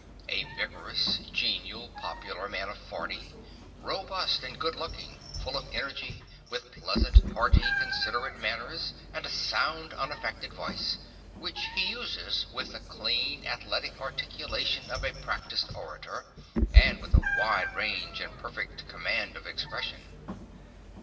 A vigorous, genial, popular man of forty, robust and goodlooking, full of energy, with pleasant, hearty, considerate manners, and a sound, unaffected voice, which he uses with the clean, athletic articulation of a practised orator, and with a wide range and perfect command of expression.